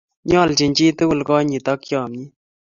Nyaljin chi tukul konyit ak chamyet